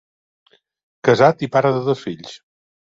Casat i pare de dos fills.